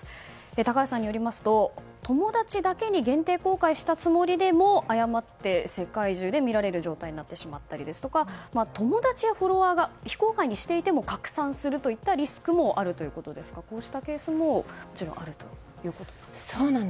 高橋さんによりますと友達だけに限定公開したつもりでも誤って世界中で見られる状態になってしまったりですとか友達やフォロワーが非公開にしていても拡散するといったリスクもあるということですがこうしたケースももちろんあるということですね。